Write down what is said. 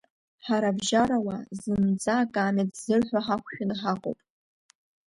Ҳара абжьара уаа, зынӡа акаамеҭ ззырҳәо ҳақәшәаны ҳаҟоуп.